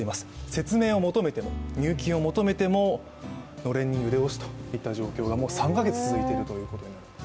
説明を求めても、入金を求めてものれんに腕押しという状況が３か月続いているということなんです。